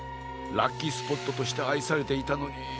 ラッキースポットとしてあいされていたのに。